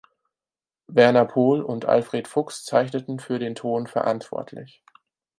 Werner Pohl und Alfred Fuchs zeichneten für den Ton verantwortlich.